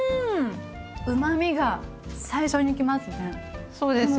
うまみが最初にきますね。